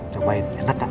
cobain enak gak